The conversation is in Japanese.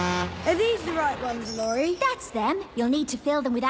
はい。